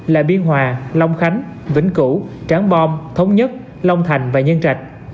là biên hòa long khánh vĩnh cửu tràng bom thống nhất long thành và nhân trạch